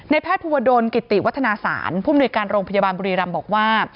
ในแพทย์ภูมิโดรณ์กิตติวัฒนาศาลผู้บริการโรงพยาบาลบุรีรำบอกว่า